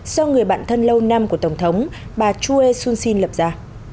do người bạn thân lâu năm của tổng thống bà chue sun sin lập ra